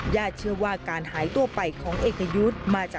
ญาติเชื่อว่าการหายตัวไปของเอกยุทธศ